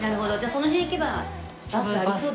その辺に行けばバスありそうですね。